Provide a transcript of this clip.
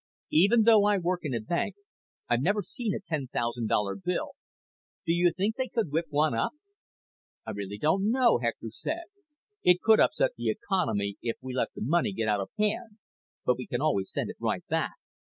Even though I work in a bank, I've never seen a ten thousand dollar bill. Do you think they could whip one up?" "I really don't know," Hector said. "It could upset the economy if we let the money get out of hand. But we can always send it right back.